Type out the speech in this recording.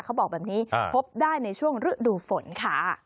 เขาบอกแบบนี้พบได้ในช่วงฤดูฝนค่ะ